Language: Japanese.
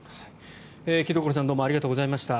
城所さんどうもありがとうございました。